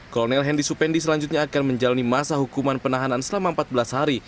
kolonel hendi supendi selanjutnya akan menjalani masa hukuman penahanan selama empat belas hari